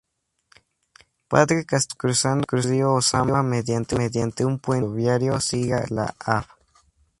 Padre Castellanos, cruzando el Río Ozama mediante un Puente Ferroviario, sigue la Av.